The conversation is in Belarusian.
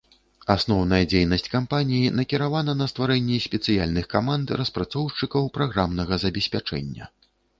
Асноўная дзейнасць кампаніі накіравана на стварэнне спецыяльных каманд распрацоўшчыкаў праграмнага забеспячэння.